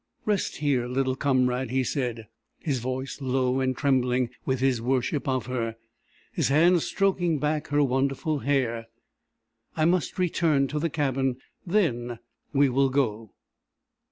"Rest here, little comrade," he said, his voice low and trembling with his worship of her, his hands stroking back her wonderful hair. "I must return to the cabin. Then we will go."